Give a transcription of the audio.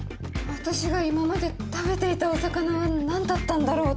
私が今まで食べていたお魚は何だったんだろう。